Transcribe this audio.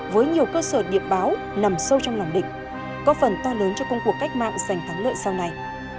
với nhiều cơ sở điện báo nằm sâu trong lòng địch có phần to lớn cho công cuộc cách mạng giành thắng lợi sau này